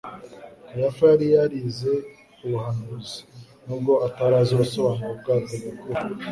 Kayafa yari yarize ubuhanuzi nubwo atari azi ubusobanuro bwabwo nyakuri,